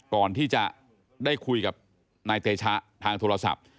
ก่อนที่จะได้คุยกับนายเตชะทางโทรศัพท์